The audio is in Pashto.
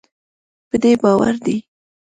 په دې باور دی